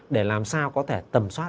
để làm sao có thể tầm soát